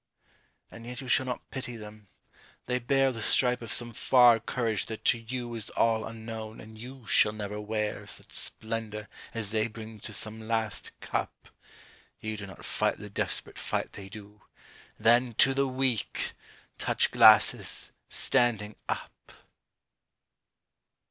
And yet you shall not pity them ! They bear The stripe of some far courage that to you Is all unknown — and you shall never wear Such splendor as they bring to some last eup ; You do not fight the desperate fight they do ; Then — ^to the Weak ! Touch glasses ! standing up